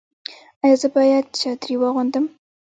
ایا زه باید چادري واغوندم؟